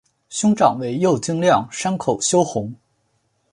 兄长为右京亮山口修弘。